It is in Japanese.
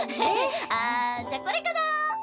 ああじゃあこれかな。